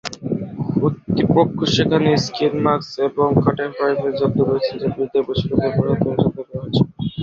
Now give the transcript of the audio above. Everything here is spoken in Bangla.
কর্তৃপক্ষ সেখানে বারুদ, স্কি মাস্ক এবং কাঠের রাইফেল জব্দ করেছে যা বিদ্রোহীদের প্রশিক্ষণে ব্যবহৃত হতো বলে সন্দেহ করা হচ্ছে।